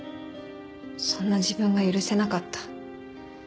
そんな自分が許せなかった。